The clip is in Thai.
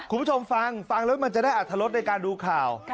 คุณผู้ชมฟังฟังแล้วมันจะได้อัธรสในการดูข่าว